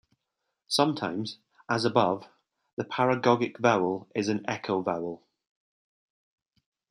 Sometimes, as above, the paragogic vowel is an echo vowel.